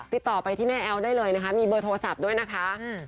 ติดต่อไปที่แม่แอ๊วได้เลยนะคะมีเบอร์โทรศัพท์ด้วยนะคะ